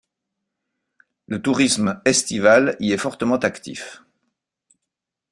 Le tourisme estival y est fortement actif.